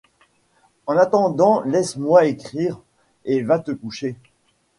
En attendant laissemoi écrire et va te coucher.